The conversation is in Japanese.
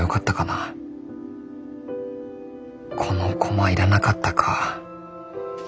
このコマいらなかったか。